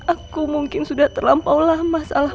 aku mungkin sudah terlampau lama salah mendidik dia ya allah